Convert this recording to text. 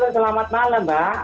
selamat malam mbak